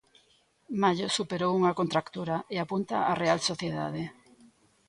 Mallo superou unha contractura e apunta á Real Sociedade.